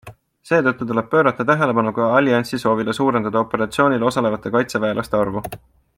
Seetõttu tuleb pöörata tähelepanu ka alliansi soovile suurendada operatsioonil osalevate kaitseväelaste arvu.